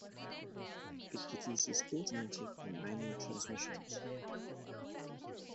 It produces automatic and manual transmissions.